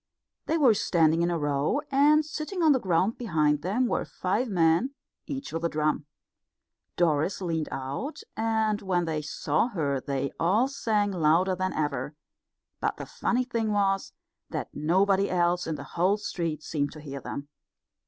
They were standing in a row, and sitting on the ground behind them were five men, each with a drum. Doris leaned out, and when they saw her they all sang louder than ever; but the funny thing was that nobody else in the whole street seemed to hear them.